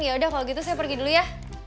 ya udah kalau gitu saya pergi dulu ya